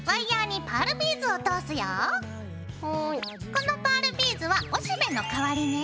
このパールビーズは雄しべの代わりね。